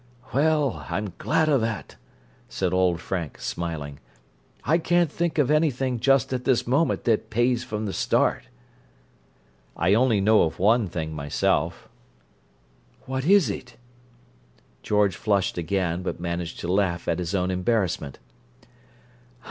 "Well, I'm glad of that!" said old Frank, smiling. "I can't think of anything just at this minute that pays from the start." "I only know of one thing, myself." "What is it?" George flushed again, but managed to laugh at his own embarrassment.